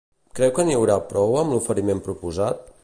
Creu que n'hi haurà prou amb l'oferiment proposat?